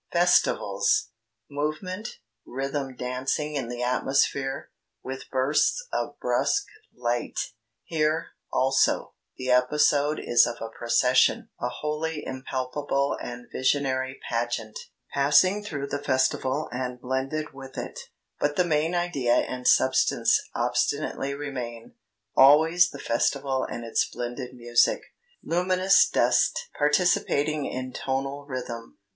"Festivals: Movement, rhythm dancing in the atmosphere, with bursts of brusque light. Here, also, the episode is of a procession [a wholly impalpable and visionary pageant] passing through the festival and blended with it; but the main idea and substance obstinately remain, always the festival and its blended music, luminous dust participating in tonal rhythm.